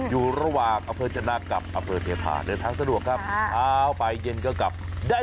อยู่ระหว่างอเฟิร์ชนากลับอเฟิร์เทฐาเดินทางสะดวกครับ